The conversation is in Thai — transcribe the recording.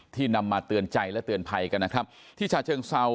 ที่นำมาเตือนใจและเตือนภัยกันที่ฉาเฉิงเศร้า